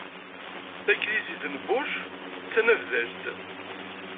Tanglizit n Bush d tanablalt.